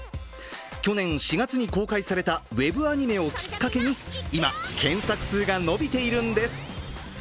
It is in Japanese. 去年４月に公開されたウェブアニメをきっかけに今、検索数が伸びているんです。